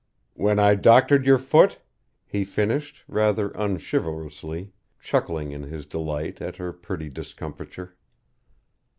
"When I doctored your foot?" he finished, rather unchivalrously, chuckling in his delight at her pretty discomfiture.